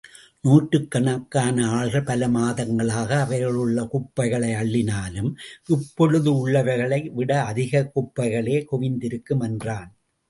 நூற்றுக்கணக்கான ஆள்கள் பல மாதங்களாக அவைகளிலுள்ள குப்பைகளை அள்ளினாலும், இப்பொழுதுள்ளவைகளை விட அதிகக் குப்பைகளே குவிந்திருக்கும்! என்றான்.